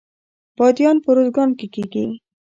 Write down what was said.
بادیان په ارزګان کې کیږي